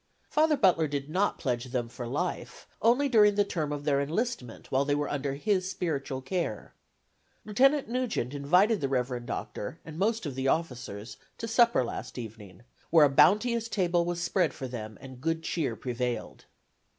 Father Butler did not pledge them for life; only during the term of their enlistment while they were under his spiritual care. Lieutenant Nugent invited the reverend doctor and most of the officers to supper last evening, where a bounteous table was spread for them, and good cheer prevailed."